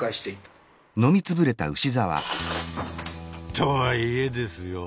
とはいえですよ